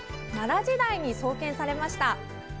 奈良時代に創建されました。